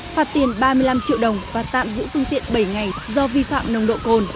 phạt tiền ba mươi năm triệu đồng và tạm giữ phương tiện bảy ngày do vi phạm nồng độ cồn